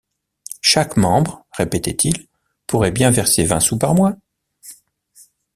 Chaque membre, répétait-il, pourrait bien verser vingt sous par mois.